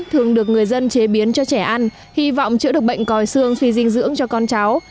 thường được người dân chế biến cho trẻ ăn hy vọng chữa được bệnh còi xương suy dinh dưỡng cho con cháu